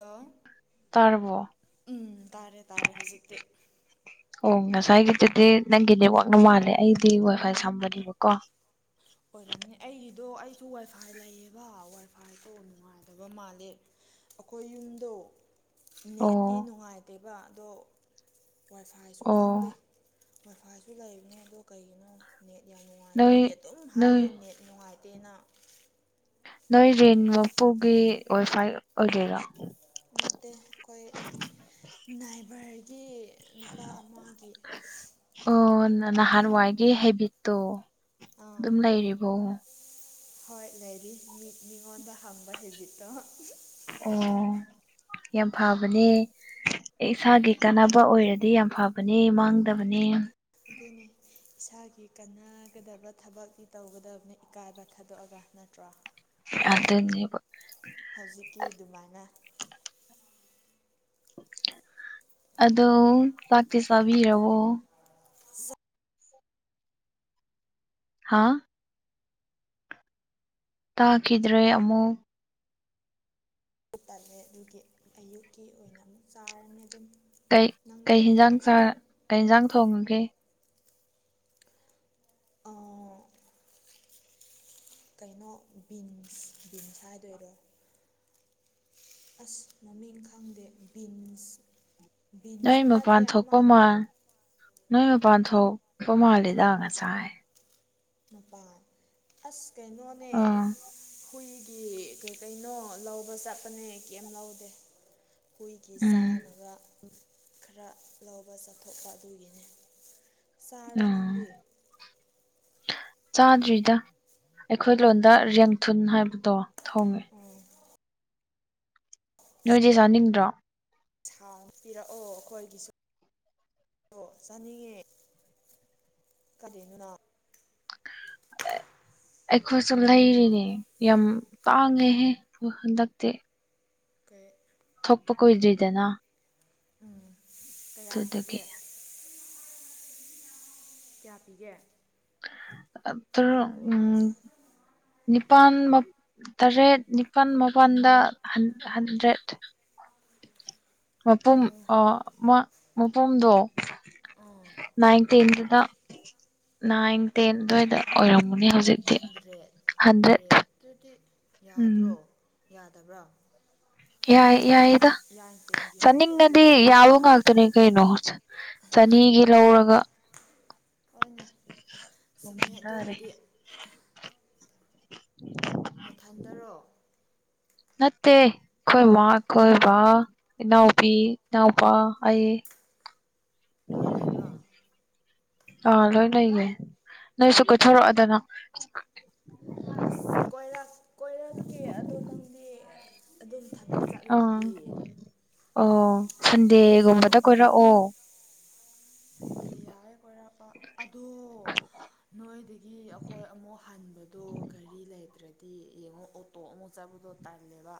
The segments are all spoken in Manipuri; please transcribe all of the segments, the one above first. ꯍꯜꯂꯣ ꯇꯔꯔꯕꯣ ꯎꯝ ꯇꯥꯔꯦ ꯇꯥꯔꯦ ꯍꯧꯖꯤꯛꯇꯤ ꯑꯣ ꯉꯁꯥꯏꯒꯤꯗꯨꯗꯤ ꯅꯪꯒꯤ ꯅꯦꯠꯋꯥꯛꯅ ꯃꯥꯜꯂꯦ ꯑꯩꯗꯤ ꯍꯏ ꯋꯥꯏ ꯁꯝꯕꯅꯦꯕꯀꯣ ꯑꯗꯨ ꯋꯥꯏ ꯐꯥꯏ ꯂꯩꯌꯦꯕ ꯋꯥꯏ ꯐꯥꯏꯗꯣ ꯅꯨꯡꯉꯥꯏꯗꯕ ꯃꯥꯜꯂꯦ ꯑꯩꯈꯣꯏ ꯌꯨꯝꯗꯣ ꯑꯣ ꯅꯦꯠꯇꯤ ꯅꯨꯡꯉꯥꯏꯇꯦꯕ ꯑꯗꯣ ꯋꯥꯏꯐꯥꯏꯁꯨ ꯑꯣ ꯈꯪꯗꯦ ꯋꯥꯏꯐꯥꯏꯁꯨ ꯂꯩꯕꯅꯦ ꯑꯗꯣ ꯀꯩꯒꯤꯅꯣ ꯅꯦꯠ ꯌꯥꯝ ꯅꯨꯡꯉꯥꯏꯇꯦ ꯅꯣꯏ ꯑꯩꯒꯤ ꯑꯗꯨꯝ ꯅꯣꯏ ꯍꯥꯏꯌꯦ ꯅꯦꯠ ꯅꯨꯡꯉꯥꯏꯇꯦ ꯇꯅ ꯅꯣꯏ ꯔꯦꯟ ꯃꯄꯨꯒꯤ ꯑꯣꯏꯐꯥꯏ ꯑꯣꯏꯒꯦꯔꯣ ꯅꯠꯇꯦ ꯑꯩꯈꯣꯏ ꯅꯥꯏꯕꯔꯒꯤ ꯅꯨꯄꯥ ꯑꯃꯒꯤ ꯑꯣ ꯅꯍꯥꯟꯋꯥꯏꯒꯤ ꯍꯦꯕꯤꯠꯇꯣ ꯑꯥ ꯑꯗꯨꯝ ꯂꯩꯔꯤꯕꯣ ꯍꯣꯏ ꯂꯩꯔꯤ ꯃꯤꯠ ꯃꯤꯉꯣꯟꯗ ꯍꯪꯝꯕ ꯍꯤꯖꯤꯠꯇꯣ ꯑꯣ ꯌꯥꯝ ꯐꯕꯅꯦ ꯑꯩ ꯏꯁꯥꯒꯤ ꯀꯥꯟꯅꯕ ꯑꯣꯏꯔꯗꯤ ꯌꯥꯝ ꯐꯕꯅꯤ ꯃꯥꯡꯗꯕꯅꯤ ꯑꯗꯨꯅꯤ ꯏꯁꯥꯒꯤ ꯀꯥꯟꯅꯒꯗꯕ ꯊꯕꯛꯇꯤ ꯇꯧꯒꯗꯕꯅꯤ ꯏꯀꯥꯏꯕ ꯊꯥꯗꯣꯛꯑꯒ ꯅꯠꯇ꯭ꯔꯥ ꯑꯗꯨꯗꯅꯤ ꯍꯧꯖꯤꯛꯀꯤ ꯑꯗꯨꯃꯥꯏꯅ ꯑꯗꯣ ꯆꯥꯛꯇꯤ ꯆꯥꯕꯤꯔꯣ ꯍꯥꯥ ꯇꯥꯈꯤꯗ꯭ꯔꯦ ꯑꯃꯨꯛ ꯑꯗꯨ ꯇꯂꯦ ꯑꯗꯨꯒꯤ ꯑꯌꯨꯛꯀꯤ ꯑꯣꯏꯅ ꯑꯃꯨꯛ ꯆꯥꯔꯅꯤ ꯑꯗꯨꯝ ꯀꯩ ꯅꯪꯗꯤ ꯀꯩ ꯌꯦꯟꯖꯥꯡ ꯆ ꯀꯩ ꯌꯦꯟꯖꯥꯡ ꯊꯣꯡꯉꯒꯦ ꯑ ꯀꯩꯅꯣ ꯕꯤꯟꯁ ꯕꯤꯟꯁ ꯍꯥꯏꯗꯣꯏꯔꯣ ꯑꯁ ꯃꯃꯤꯡ ꯈꯪꯗꯦ ꯕꯤꯟꯁ ꯅꯣꯏ ꯕꯤꯟꯁꯇꯤ ꯅꯠꯇꯦ ꯃꯄꯥꯟ ꯑꯃ ꯊꯣꯛꯄ ꯃꯥ ꯅꯣꯏ ꯃꯄꯥꯟ ꯊꯣꯛꯄ ꯃꯥꯜꯂꯤꯗ ꯉꯁꯥꯏ ꯅꯨꯄꯥꯟ ꯑꯁ ꯀꯩꯅꯣꯅꯦ ꯑꯥ ꯍꯨꯏ ꯁꯤ ꯀꯩ ꯀꯩꯅꯣ ꯂꯧꯕ ꯆꯠꯄꯅꯦ ꯀꯦꯝ ꯂꯧꯗꯦ ꯍꯨꯏꯒꯤ ꯎꯝ ꯆꯥꯅꯕ ꯈꯔ ꯂꯧꯕ ꯆꯠꯊꯣꯛꯄ ꯑꯗꯨꯒꯤꯅꯤ ꯆꯥꯔꯕ ꯎꯝ ꯅꯪꯗꯤ ꯆꯥꯗ꯭ꯔꯤꯗ ꯑꯩꯈꯣꯏ ꯂꯣꯟꯗ ꯌꯦꯟ ꯊꯨꯟ ꯍꯥꯏꯕꯗꯣ ꯊꯣꯡꯉꯦ ꯎꯝ ꯅꯣꯏꯗꯤ ꯆꯥꯅꯤꯡꯗꯔꯣ ꯍꯥꯎꯅꯤ ꯄꯤꯔꯛꯑꯣ ꯑꯩꯈꯣꯏꯒꯤꯁꯨ ꯆꯥꯅꯤꯡꯉꯦ ꯀꯗꯤꯅ ꯂ ꯑꯩꯈꯣꯏ ꯁꯨ ꯂꯩꯔꯤꯅꯦ ꯌꯥꯝ ꯇꯥꯡꯉꯦꯍꯦ ꯍꯟꯗꯛꯇꯤ ꯀꯩ ꯊꯣꯛꯄ ꯀꯨꯏꯗ꯭ꯔꯤꯗꯅ ꯎꯝ ꯀꯌꯥ ꯑꯗꯨꯗꯨꯒꯤ ꯄꯤꯒꯦ ꯀꯌꯥ ꯄꯤꯒꯦ ꯑꯗꯨꯔꯣ ꯎꯝ ꯅꯤꯄꯥꯜ ꯇꯔꯦꯠ ꯅꯤꯄꯥꯜ ꯃꯄꯜꯗ ꯍꯟꯗ꯭ꯔꯦꯠ ꯃꯄꯨꯝ ꯑ ꯃꯄꯨꯝꯗꯣ ꯑꯥ ꯅꯥꯏꯟ ꯇꯦꯟꯗꯨꯗ ꯅꯥꯏꯟ ꯇꯦꯟ ꯑꯗꯨꯋꯥꯏꯗ ꯑꯣꯏꯔꯝ ꯃꯅꯦ ꯍꯧꯖꯤꯛꯇꯤ ꯍꯟꯗ꯭ꯔꯦ ꯍꯟꯗ꯭ꯔꯦꯠ ꯑꯗꯨꯗꯤ ꯎꯝ ꯌꯥꯗ꯭ꯔꯣ ꯌꯥꯗꯕ꯭ꯔꯥ ꯌꯥꯏ ꯅꯥꯏꯟ ꯌꯥꯏꯗ ꯏꯔꯥꯏꯟ ꯇꯦꯟꯒꯤ ꯍꯟꯗ꯭ꯔꯦꯠꯇꯤ ꯆꯥꯅꯤꯡꯂꯗꯤ ꯑꯗꯨꯝ ꯌꯥꯏꯅ ꯌꯥꯕ ꯉꯥꯛꯇꯅꯦ ꯀꯩꯅꯣ ꯆꯅꯤꯒꯤ ꯂꯧꯔꯒ ꯍꯣꯏꯅꯦ ꯁꯨꯝꯃꯦ ꯊꯣꯡꯖꯔꯦ ꯑꯗꯨꯕꯨꯗꯤ [inaudible] ꯅꯊꯟꯗꯔꯣ ꯅꯠꯇꯦ ꯑꯩꯈꯣꯏ ꯃꯥ ꯈꯣꯏ ꯕꯥ ꯏꯅꯥꯎꯕꯤ ꯏꯅꯥꯎꯄꯥ ꯑꯩ ꯂꯣꯏ ꯂꯩꯕ꯭ꯔꯣ ꯑꯥ ꯂꯣꯏ ꯂꯩꯌꯦ ꯅꯣꯏꯁꯨ ꯀꯣꯏꯊꯣꯔꯛꯑꯣꯗꯅ ꯑꯁ ꯀꯣꯏ ꯀꯣꯏꯔꯛꯀꯦ ꯑꯗꯣ ꯅꯪꯗꯤ ꯑꯗꯨꯝ ꯊꯕꯛ ꯑꯥ ꯆꯠꯂꯤꯗꯨꯗꯤ ꯑꯣ ꯑꯩꯈꯣꯏꯁꯨ ꯁꯟꯗꯦꯒꯨꯝꯕꯗ ꯀꯣꯏꯔꯛꯑꯣ ꯁꯟꯗꯤ ꯌꯥꯔꯦ ꯀꯣꯏꯔꯛꯄ ꯑꯗꯣ ꯅꯣꯏꯗꯒꯤ ꯑꯩꯈꯣꯏ ꯑꯃꯨꯛ ꯍꯟꯕꯗꯣ ꯒꯥꯔꯤ ꯂꯩ ꯑꯗꯨ꯭ꯔꯗꯤ ꯌꯦꯡꯉꯣ ꯑꯣꯇꯣ ꯑꯃꯨꯛ ꯆꯠꯄꯗꯣ ꯇꯜꯂꯦꯕ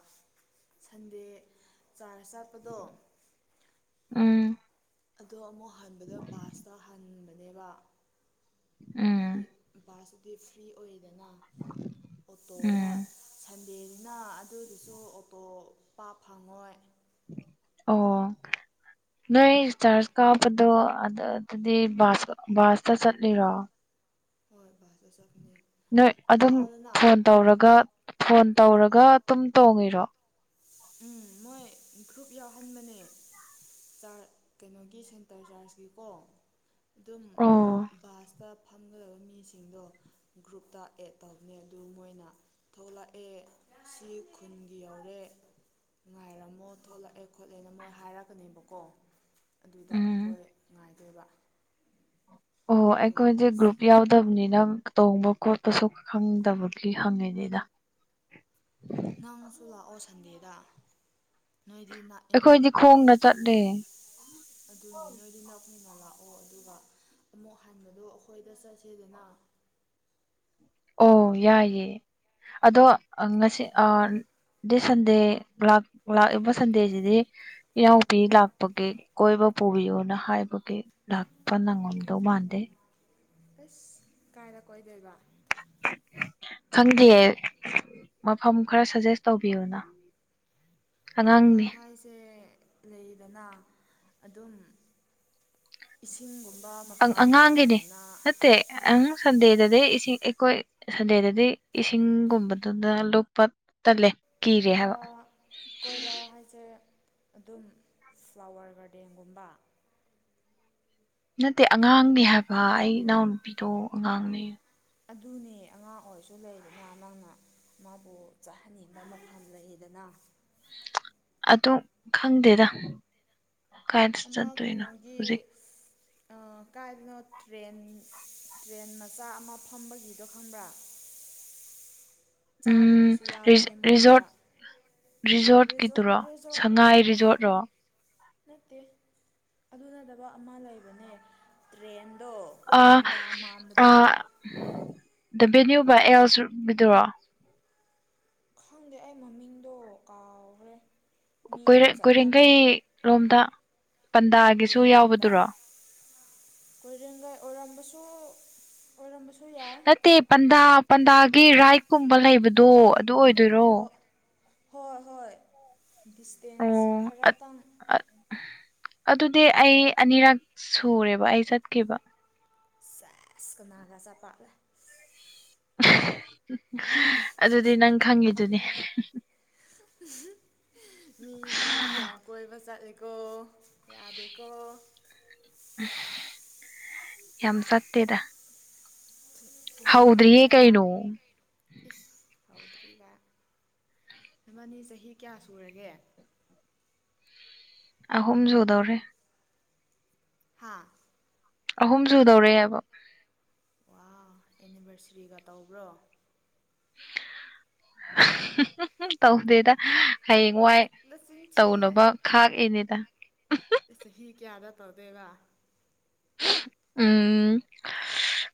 ꯁꯟꯗꯦ ꯆꯨꯠꯆ ꯆꯠꯄꯗꯣ ꯎꯝ ꯑꯗꯣ ꯑꯃꯨꯛ ꯍꯟꯕꯗꯣ ꯕꯥꯁꯇ ꯍꯟꯕꯅꯦꯕ ꯎꯝ ꯍꯥꯏꯗꯤ ꯕꯥꯁꯇꯨꯗꯤ ꯐ꯭ꯔꯤ ꯑꯣꯏ ꯎꯝ ꯑꯣꯇꯣꯗ ꯁ ꯗꯅꯤꯅ ꯑꯗꯨꯒꯤꯁꯨ ꯑꯣꯇꯣ ꯄꯥꯛ ꯐꯪꯉꯣꯏ ꯑꯣ ꯅꯣꯏ ꯆꯥꯔꯖ ꯀꯥꯄꯗꯣ ꯑꯗꯨ ꯑꯗꯨꯗꯤ ꯕꯥꯁ ꯕꯥꯁꯇ ꯆꯠꯂꯤꯔꯣ ꯍꯣꯏ ꯕꯥꯁ ꯇꯥ ꯆꯠ ꯅꯣꯏ ꯑꯗꯨꯝ ꯐꯣꯟ ꯇꯧꯔꯒ ꯐꯣꯟ ꯇꯧꯔꯒ ꯑꯗꯨꯝ ꯇꯣꯡꯉꯤꯔꯣ ꯎꯝ ꯃꯣꯏ ꯒ꯭ꯔꯨꯞ ꯌꯥꯎꯍꯟꯕꯅꯦ ꯀꯩꯅꯣꯒꯤ ꯁꯦꯟꯇꯔ ꯆꯥꯔꯖ ꯀꯤꯀꯣ ꯑꯗꯨꯝ ꯎꯝ ꯕꯥꯁꯇ ꯐꯝꯒꯗꯕ ꯃꯤꯁꯤꯡꯗꯣ ꯒ꯭ꯔꯨꯞꯇ ꯑꯦꯗ ꯇꯧꯅꯦ ꯑꯗꯨ ꯃꯣꯏꯅ ꯊꯣꯛꯂꯛꯑꯦ ꯁꯤ ꯈꯨꯟꯒꯤ ꯌꯧꯔꯦ ꯉꯉꯥꯏꯔꯝꯃꯣ ꯊꯣꯛꯂꯛꯑꯦ ꯈꯣꯠꯂꯦꯅ ꯃꯣꯏ ꯍꯥꯏꯔꯛꯀꯅꯦꯕꯀꯣ ꯑꯗꯨꯗ ꯑꯩꯈꯣꯏ ꯉꯥꯏꯗꯦꯕ ꯑꯣ ꯑꯩꯈꯦ ꯭ꯔꯨꯨꯞ ꯌꯥꯎꯗꯕꯅꯤ ꯑꯩꯅꯪ ꯇꯣꯡꯕ ꯈꯣꯠꯄꯁꯨ ꯈꯪꯗꯕꯒꯤ ꯍꯪꯉꯤꯅꯤꯗ ꯅꯪꯁꯨꯨꯂꯥꯛꯑꯣ ꯁꯟꯗꯦꯗ ꯅꯣꯏꯗꯤ ꯅꯥꯛꯏꯅ ꯑꯩꯈꯣꯏꯗꯤ ꯈꯣꯡꯅ ꯆꯠꯂꯦ ꯑꯗꯨꯅꯤ ꯅꯣꯏꯗꯤ ꯅꯥꯛꯄꯅꯤꯅ ꯂꯥꯛꯑꯣ ꯑꯗꯨꯒ ꯑꯃꯨꯛ ꯍꯟꯕꯗꯣ ꯑꯩꯈꯣꯏꯗ ꯆꯠꯁꯦꯗꯅ ꯑꯣ ꯌꯥꯏꯌꯦꯦ ꯑꯗꯣ ꯉꯁꯤ ꯑ ꯁꯟꯗꯦ ꯂꯥꯛꯏꯕ ꯁꯟꯗꯦꯁꯤꯗꯤ ꯏꯅꯥꯎꯄꯤ ꯂꯥꯛꯄꯒꯤ ꯀꯣꯏꯕ ꯄꯨꯕꯤꯌꯣꯅ ꯍꯥꯏꯕꯒꯤ ꯂꯥꯛꯄ ꯅꯪꯉꯝꯗꯧ ꯃꯥꯟꯗꯦ ꯑꯁ ꯀꯥꯏꯅ ꯀꯣꯏꯗꯣꯏꯕ ꯈꯪꯗꯦ ꯃꯐꯝ ꯈꯔ ꯁꯖꯦꯁ ꯇꯧꯕꯤꯌꯨꯅ ꯀꯣꯏꯕ ꯑꯉꯥꯡꯅꯤ ꯍꯥꯏꯁꯦ ꯂꯩꯗꯅ ꯑꯗꯨꯝ ꯏꯁꯤꯡꯒꯨꯝꯕ ꯃꯐꯝ ꯑꯉꯥꯡꯒꯤꯅꯦ ꯅꯠꯇ꯭ꯔꯒꯅ ꯅꯠꯇꯦꯪ ꯁꯟꯗꯦꯗ ꯑꯗꯩ ꯏꯁꯤꯡ ꯑꯩꯈꯣꯏ ꯁꯟꯗꯦꯗꯗꯤ ꯏꯁꯤꯡꯒꯨꯝꯕꯗꯨꯗ ꯂꯨꯞꯄ ꯇꯜꯂꯦ ꯀꯤꯔꯦ ꯀꯣꯏꯕ ꯍꯥꯏꯕ ꯀꯣꯏꯕꯕꯥ ꯍꯥꯏꯁꯦ ꯑꯗꯨꯝ ꯐ꯭ꯂꯥꯋꯔ ꯒꯥꯔꯗꯦꯟꯒꯨꯝꯕ ꯅꯠꯇꯦ ꯑꯉꯥꯡꯅꯦ ꯍꯥꯏꯕ ꯑꯩ ꯏꯅꯥꯎ ꯅꯨꯨꯄꯤꯗꯣ ꯑꯉꯥꯡꯅꯦ ꯑꯗꯨꯅꯦ ꯑꯉꯥꯡ ꯑꯣꯏꯔꯁꯨ ꯂꯩꯗꯅ ꯅꯪꯅ ꯃꯥꯕꯨ ꯆꯥꯍꯟꯅꯤꯡꯕ ꯃꯐꯝ ꯂꯩꯗꯅ ꯑꯗꯨ ꯈꯪꯗꯦꯗ ꯀꯥꯏꯗ ꯑꯃ ꯆꯠꯇꯣꯏꯅꯣ ꯀꯩꯅꯣꯒꯤ ꯍꯧꯖꯤꯛ ꯀꯥꯏꯗꯅꯣ ꯇ꯭ꯔꯦꯟ ꯇ꯭ꯔꯦꯟ ꯃꯆꯥ ꯑꯃ ꯐꯝꯕꯒꯤꯗꯣ ꯈꯪꯕ꯭ꯔꯥ [unintelligible] ꯎꯝ ꯆꯥꯕꯒꯤꯁꯨ ꯌꯥꯎꯕꯅꯦ ꯃꯣꯏꯗꯨꯗ ꯔꯤꯖꯣꯔꯠ ꯔꯤꯖꯣꯔꯠ ꯔꯤꯖꯣꯔꯠꯀꯤꯗꯨꯔꯣ ꯔꯤꯖꯣꯔꯠ ꯁꯉꯥꯏ ꯔꯤꯖꯣꯔꯠꯔꯣ ꯅꯠꯇꯦ ꯑꯗꯨ ꯅꯗꯕ ꯑꯃ ꯂꯩꯕꯅꯦ ꯇ꯭ꯔꯦꯟ ꯑ ꯑ ꯗ ꯕꯦꯅ꯭ꯌꯨ ꯕꯥ ꯑꯦꯜꯁꯕꯤꯗꯨꯔꯣ ꯈꯪꯗꯦ ꯑꯩ ꯃꯃꯤꯡꯗꯣ ꯀꯥꯎꯈ꯭ꯔꯦ ꯃꯤ ꯣꯏꯔ ꯌꯥꯝ ꯆꯠꯅꯕꯅꯦ ꯀꯣꯏꯔꯦꯡꯈꯩꯔꯣꯝꯗ ꯄꯟꯗꯥꯒꯤꯁꯨ ꯌꯥꯎꯕꯗꯨꯔꯣ ꯀꯣꯏꯔꯦꯡꯒ ꯑꯣꯏꯔꯝꯕꯁꯨ ꯑꯣꯏꯔꯝꯕꯁꯨ ꯌꯥꯏ ꯅꯠꯇꯦ ꯄꯟꯗꯥ ꯄꯟꯗꯥꯒꯤ ꯔꯥꯏꯠꯀꯨꯝꯕ ꯂꯩꯕꯗꯣ ꯑꯗꯨ ꯑꯣꯏꯗꯣꯏꯔꯣ ꯍꯣꯏ ꯍꯣꯏ ꯍꯣꯏ ꯗꯤꯁꯇꯦꯟꯁ ꯑꯣ ꯈꯔꯇꯪ ꯑꯗꯨꯗꯤ ꯑꯩ ꯑꯅꯤꯔꯛ ꯁꯨꯔꯦꯕ ꯑꯩ ꯆꯠꯈꯤꯕ ꯁꯦꯁꯀꯅꯥꯒꯥ ꯆꯆꯥ ꯄꯥꯛꯂꯦ ꯑꯗꯨꯗꯤ ꯅꯪ ꯈꯪꯉꯤꯗꯨꯅꯦ ꯃꯤꯗꯤ ꯌꯥꯝ ꯀꯣꯏꯕ ꯆꯠꯂ ꯌꯥꯗꯀ ꯌꯥꯝ ꯁꯠꯇꯦꯗ ꯊꯤꯅꯔꯅꯤ ꯅꯠꯇ꯭ꯔꯥꯅꯦ ꯁꯧꯗ꯭ꯔꯤꯒ ꯃꯃꯅꯤ ꯆꯍꯤ ꯀꯌꯥ ꯁꯨꯔꯒꯦ ꯑꯍꯨꯝꯁꯨꯨꯗꯧꯔꯦ ꯍꯥꯥ ꯑꯍꯨꯝ ꯁꯨꯗꯧꯔꯦꯕ ꯋꯥ ꯑꯦꯅꯤꯚꯔꯁꯔꯤꯒ ꯇꯧꯕ꯭ꯔꯣ ꯇꯧꯗꯦꯗ ꯍꯥꯏꯌꯦ ꯃꯏ ꯅꯆꯤꯟ ꯊꯤꯌꯦ ꯇꯧꯅꯕ ꯈꯥꯛꯏꯅꯦꯗ ꯆꯍꯤ ꯀꯌꯥꯗ ꯇꯧꯗꯦꯕ ꯎꯝ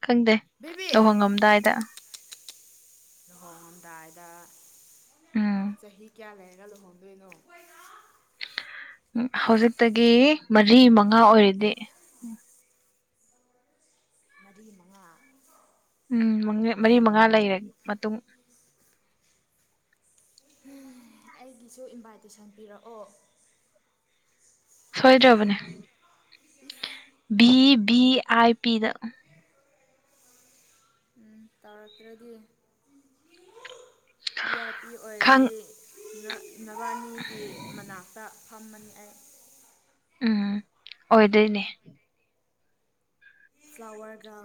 ꯈꯪꯗꯦ ꯕꯦꯕꯤ ꯂꯨꯍꯣꯡꯉꯝꯗꯥꯏꯗ ꯂꯨꯍꯣꯡꯉꯝꯗꯥꯏꯗ ꯎꯝ ꯆꯍꯤ ꯀꯌꯥ ꯂꯩ ꯀ ꯂꯨ ꯍꯣꯡꯗꯣꯏꯅꯣ ꯎꯝ ꯍꯧꯖꯤꯛꯇꯒꯤ ꯃꯔꯤ ꯃꯉꯥ ꯑꯣꯏꯔꯤꯗꯤ ꯎꯝ ꯃꯔꯤꯃ ꯎꯝ ꯃꯔꯤ ꯃꯉꯥ ꯂꯩꯔꯦ ꯃꯇꯨꯡ ꯑꯩꯒꯤꯁꯨ ꯏꯟꯚꯥꯏꯇꯦꯁꯟ ꯄꯤꯔꯛꯑꯣ ꯁꯣꯏꯗ꯭ꯔꯕꯅꯦ ꯚꯤ ꯚꯤ ꯑꯥꯏ ꯄꯤꯗ ꯎꯝ ꯇꯧꯔꯛꯛꯇꯔꯗꯤ ꯚꯤ ꯑꯥꯥꯏ ꯄꯤ ꯈꯪ ꯑꯣꯏꯔꯗꯤ ꯅꯕꯥꯅꯤꯒꯤ ꯃꯅꯥꯛꯇ ꯐꯝꯃꯅꯤ ꯑꯩ ꯎꯝ ꯑꯣꯏꯗꯣꯏꯅꯦ ꯐ꯭ꯂꯥꯋꯔꯒ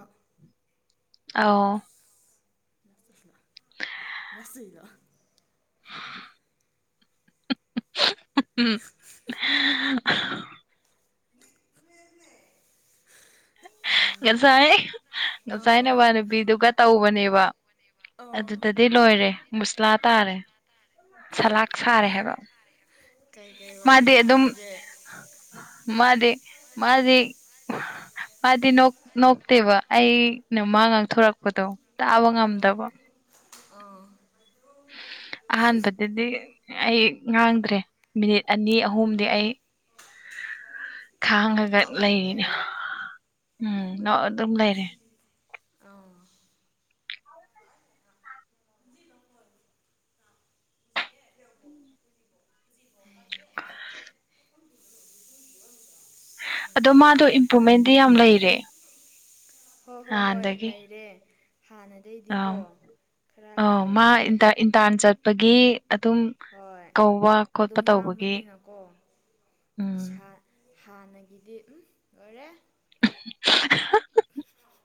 ꯑ ꯌꯥꯁ ꯏꯂ [unintelligible] ꯎꯝ ꯉꯁꯥꯏ ꯉꯁꯥꯏ ꯑꯥ ꯅꯋꯥ ꯅꯨꯨꯄꯤꯗꯨꯒ ꯇꯧꯕꯅꯦꯕ ꯑꯥ ꯑꯗꯨꯗꯗꯤ ꯂꯣꯏꯔꯦ ꯃꯨꯁꯂꯥ ꯇꯥꯔꯦ ꯁꯂꯥꯥꯛ ꯁꯥꯔꯦ ꯍꯥꯏꯕ ꯀꯩꯀꯩ ꯋꯥꯔꯤ ꯃꯥꯗꯤ ꯑꯗꯨꯝ ꯁꯥꯟꯅꯒꯦ ꯃꯥꯗꯤ ꯃꯥꯗꯤ ꯃꯥꯗꯤ ꯅꯣꯛꯇꯦꯕ ꯑꯩꯅ ꯃꯥ ꯉꯥꯡꯊꯣꯔꯛꯄꯗꯣ ꯇꯥꯕ ꯑꯥ ꯉꯝꯗꯕ ꯑꯥ ꯑꯍꯥꯟꯕꯕꯠꯇꯗꯤ ꯑꯩ ꯉꯥꯡꯗ꯭ꯔꯦ ꯃꯤꯅꯤꯠ ꯑꯅꯤ ꯑꯍꯨꯝꯗꯤ ꯑꯩ ꯈꯥꯡꯉꯒ ꯅꯣꯛꯑꯒ ꯑꯗꯨꯝ ꯂꯩꯔꯤꯅꯦ ꯂꯩꯔꯦ ꯎꯝ ꯅ ꯑꯗꯨꯝ ꯂꯩꯔꯦ ꯑ ꯑꯗꯣ ꯃꯥꯗꯣ ꯁꯥꯔ ꯏꯝꯄ꯭ꯔꯨꯚꯃꯦꯟꯗꯤ ꯁꯥꯔ ꯌꯥꯝ ꯂꯩꯔꯦ ꯑꯥ ꯍꯣꯏ ꯍꯣꯏ ꯍꯣꯏ ꯅꯥꯟꯗꯒꯤ ꯂꯩꯔꯦ ꯑꯥꯎ ꯍꯥꯟꯅꯗꯩꯗꯤꯀꯣ ꯈꯔ ꯑꯥꯎ ꯃꯥ ꯍꯩꯔꯕꯅꯦ ꯏꯟꯇꯥꯟ ꯆꯠꯄꯒꯤ ꯑꯗꯨꯝ ꯍꯣꯏ ꯀꯧꯕ ꯈꯣꯠꯄ ꯇꯧꯕꯒꯤ ꯎꯝ ꯏꯁ ꯍꯥꯟꯅꯒꯤꯗꯤ ꯎꯝ ꯂꯣꯏꯔꯦ [inaudible]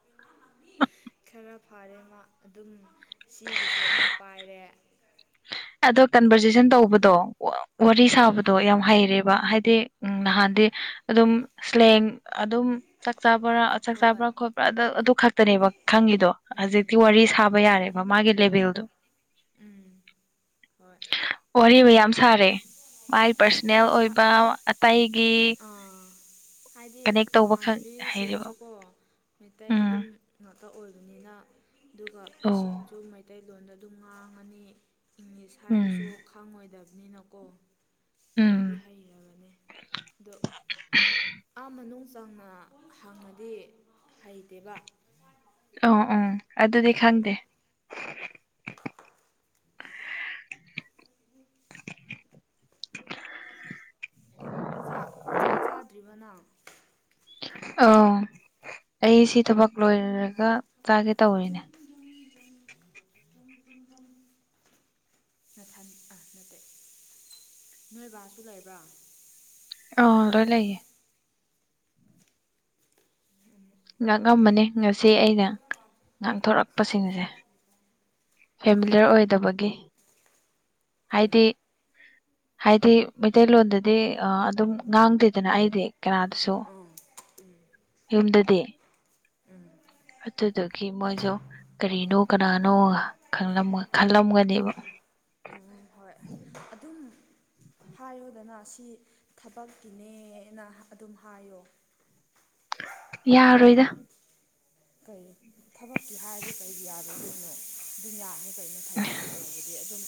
[inaudible] ꯈꯔ ꯐꯔꯦ ꯑꯗꯨꯝ ꯁꯤꯒꯤꯁꯨ ꯑꯃꯨꯛ ꯄꯥꯏꯔꯦ ꯑꯗꯣ ꯀꯟꯚꯔꯖꯦꯁꯟ ꯇꯧꯕꯗꯣ ꯋꯥꯔꯤ ꯎꯝ ꯁꯥꯕꯗꯣ ꯌꯥꯝ ꯍꯩꯔꯦꯕ ꯍꯥꯏ ꯎꯝ ꯅꯍꯥꯟꯗꯤ ꯑꯗꯨꯝ ꯁ꯭ꯂꯦꯡ ꯑꯗꯨꯝ ꯆꯥꯛ ꯆꯥꯕ꯭ꯔꯥ ꯆꯥꯛ ꯍꯣꯏ ꯆꯥꯕ꯭ꯔꯥ ꯈꯣꯠꯄ꯭ꯔꯥ ꯑꯗꯨ ꯈꯛꯇꯅꯦꯕ ꯈꯪꯉꯤꯗꯣ ꯎꯝ ꯍꯧꯖꯤꯛꯇꯤ ꯋꯥꯔꯤ ꯎꯝ ꯊꯥꯕ ꯌꯥꯔꯦꯕ ꯃꯥꯒꯤ ꯂꯦꯚꯦꯜꯗꯣ ꯎꯝ ꯍꯣꯏ ꯋꯥ ꯌꯥꯝ ꯁꯥꯔꯦ ꯃꯥꯏ ꯄꯥꯔꯁꯣꯅꯦꯜ ꯍꯣꯏ ꯁꯥ ꯑꯣꯏꯕ ꯑꯇꯩ ꯑꯥ ꯍꯥꯏꯗꯤ ꯀꯅꯦꯛ ꯇꯧꯕ ꯈꯛ ꯍꯩꯔꯦꯕ ꯅꯃꯥꯟꯅꯕꯤꯁꯤꯡꯁꯨꯀꯣ ꯃꯩꯇꯩ ꯎꯝ ꯑꯗꯨꯝ ꯇ ꯑꯣꯏꯕꯅꯤꯅ ꯑꯗꯨꯒ ꯑꯣ ꯄꯦꯁꯦꯟꯁꯨ ꯃꯩꯇꯩꯂꯣꯟꯗ ꯑꯗꯨꯝ ꯉꯥꯡꯉꯅꯤ ꯏꯪꯂꯤꯁ ꯍꯥꯏꯔꯁꯨ ꯎꯝ ꯈꯪꯉꯣꯏꯗꯕꯅꯤꯅꯀꯣ ꯎꯝ ꯍꯥꯏꯗꯤ ꯍꯩꯔꯕꯅꯦ ꯑꯗꯣ ꯑꯥ ꯃꯅꯨꯡ ꯆꯥꯎꯪꯅ ꯍꯪꯉꯗꯤ ꯍꯩꯇꯦꯕ ꯑ ꯎꯝ ꯑꯗꯨꯗꯤ ꯈꯪꯗꯦ ꯆꯥꯛ ꯆꯥꯛ ꯆꯥꯗ꯭ꯔꯤꯕꯅ ꯑꯥꯎ ꯑꯩꯁꯤ ꯊꯕꯛ ꯂꯣꯏꯔꯔꯒ ꯆꯥꯒꯦ ꯇꯧꯔꯤꯅꯦ ꯊ ꯑꯥ ꯅꯠꯇꯦ ꯅꯣꯏ ꯕꯥꯁꯨ ꯂꯩꯕ꯭ꯔꯣ ꯑ ꯂꯣꯏ ꯂꯩꯦ ꯉꯥꯡꯉꯝꯕꯅꯤ ꯉꯁꯤ ꯑꯩꯅ ꯉꯥꯡꯊꯣꯔꯛꯄꯁꯤꯡ ꯑꯁꯦ ꯐꯦꯃꯤꯂꯔ ꯑꯣꯏꯗꯕꯒꯤ ꯀꯩ ꯍꯥꯏꯗꯤ ꯍꯥꯏꯗꯤ ꯃꯩꯇꯩꯂꯣꯟꯗꯗꯤ ꯑꯗꯨꯝ ꯉꯥꯡꯗꯦꯗꯅ ꯑꯩꯗꯤ ꯀꯅꯥꯗꯁꯨ ꯎꯝ ꯌꯨꯝꯗꯗꯤ ꯎꯝ ꯑꯗꯨꯗꯒꯤ ꯃꯣꯏꯁꯨ ꯀꯔꯤꯅꯣ ꯀꯅꯥꯅꯣ ꯈ ꯈꯜꯂꯝꯒꯅꯦꯕ ꯎꯝ ꯍꯣꯏ ꯑꯗꯨꯝ ꯍꯥꯏꯌꯣꯗꯅ ꯁꯤ ꯊꯕꯛꯀꯤꯅꯦꯅ ꯑꯗꯨꯝ ꯍꯥꯏꯌꯣ ꯌꯥꯔꯣꯏꯗ ꯀꯔꯤ ꯊꯕꯛꯀꯤ ꯍꯥꯏꯔꯗꯤ ꯀꯩ ꯌꯥꯔꯣꯏꯗꯣꯏꯅꯣ ꯑꯗꯨꯝ ꯌꯥꯅꯤ ꯀꯩꯅꯣ ꯊꯕꯛꯀꯤ ꯑꯣꯏꯕꯗꯤ ꯑꯗꯨꯝ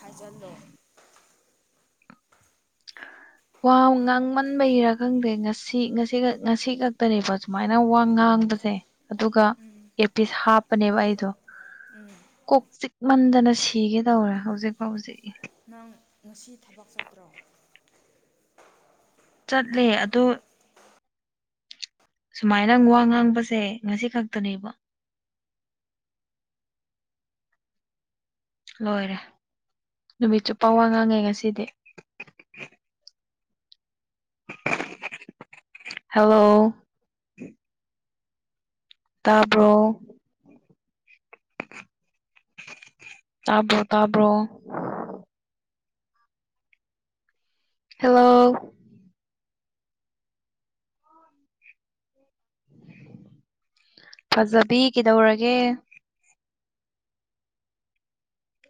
ꯍꯥꯏꯖꯤꯜꯂꯣ ꯑ ꯋꯥ ꯉꯥꯡꯃꯟꯕꯒꯤꯔꯥ ꯈꯪꯗꯦ ꯉꯁꯤ ꯉꯁꯤ ꯉꯁꯤ ꯈꯛꯇꯅꯦꯕꯣ ꯁꯨꯃꯥꯏꯅ ꯋꯥ ꯉꯥꯡ ꯈꯪꯕꯁꯦ ꯑꯗꯨꯒ ꯑꯦ ꯄꯤꯁ ꯍꯥꯞꯄꯅꯦꯕ ꯑꯩꯗꯣ ꯎꯝ ꯀꯣꯛ ꯆꯤꯛꯃꯟꯗꯅ ꯁꯤꯒꯦ ꯇꯧꯔꯦ ꯍꯧꯖꯤꯛ ꯐꯥꯎꯖꯤꯛ ꯅꯪ ꯉꯁꯤ ꯊꯕꯛ ꯆꯠꯇ꯭ꯔꯣ ꯆꯠꯂꯦ ꯑ ꯁꯨꯃꯥꯏꯅ ꯋꯥ ꯉꯥꯡꯕꯁꯦ ꯉꯁꯤ ꯈꯛꯇꯅꯦꯕ [unintelligible] ꯂꯣꯏꯔꯦ ꯅꯨꯃꯤꯠ ꯆꯨꯞꯄ ꯋꯥ ꯉꯥꯡꯉꯦ ꯉꯁꯤꯗꯤ ꯍꯂꯣ ꯇꯔꯕ꯭ꯔꯣ ꯇꯥꯕ꯭ꯔꯣ ꯇꯥꯕ꯭ꯔꯣ ꯍꯜꯂꯣ ꯐꯖꯕꯤ ꯀꯩꯗꯧꯔꯒꯦ